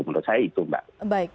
menurut saya itu mbak